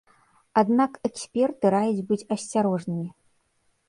Аднак эксперты раяць быць асцярожнымі.